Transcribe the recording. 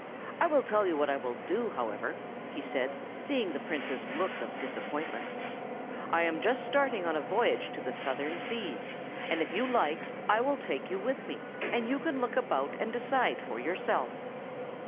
I will tell you what I will do, however," he said, seeing the Prince's look of disappointment. "I am just starting on a voyage to the Southern seas; and if you like I will take you with me, and you can look about you and decide for yourself."